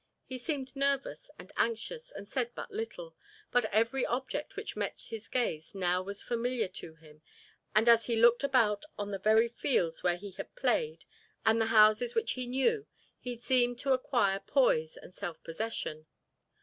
He seemed nervous and anxious and said but little, but every object which met his gaze now was familiar to him and as he looked about upon the very fields where he had played and the houses which he knew he seemed to acquire poise and self possession.